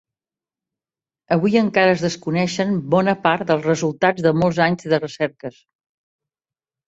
Avui encara es desconeixen bona part dels resultats de molts anys de recerques.